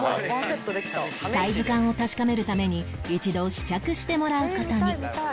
サイズ感を確かめるために一度試着してもらう事に